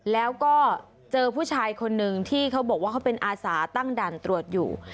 แล้วก็เจอผู้ชายคนหนึ่งที่เขาบอกว่าเขาเป็นอาสาตั้งด่านตรวจอยู่